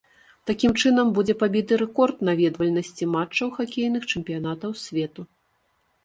Такім чынам будзе пабіты рэкорд наведвальнасці матчаў хакейных чэмпіянатаў свету.